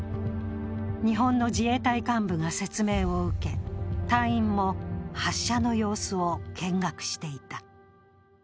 日本の自衛隊幹部が説明を受け隊員も発射の様子を見学していた。